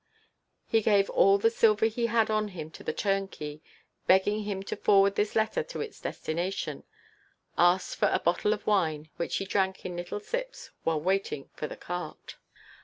_ He gave all the silver he had on him to the turnkey, begging him to forward this letter to its destination, asked for a bottle of wine, which he drank in little sips while waiting for the cart....